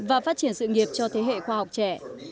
và phát triển sự nghiệp cho thế hệ khoa học trẻ